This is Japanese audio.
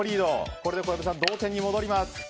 これで小籔さん、同点に戻ります。